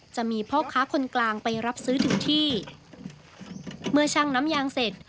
จะมีพ่อค้าคนกลางไปรับซื้อถึงที่เมื่อชั่งน้ำยางเสร็จ